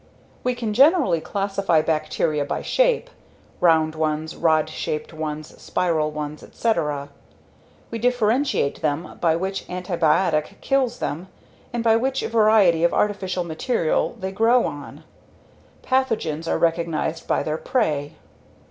We can generally classify bacteria by shape: round ones, rod shaped ones, spiral ones, etc. We differentiate them by which antibiotic kills them and by which variety of artificial material they prefer to grow on. Pathogens are recognized by their prey.